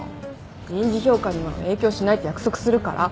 人事評価には影響しないって約束するから。